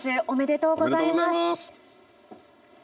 ありがとうございます。